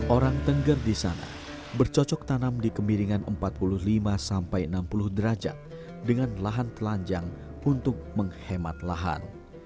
orang tengger di sana bercocok tanam di kemiringan empat puluh lima sampai enam puluh derajat dengan lahan telanjang untuk menghemat lahan